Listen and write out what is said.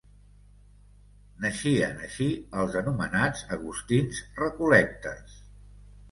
Naixien així els anomenats agustins recol·lectes.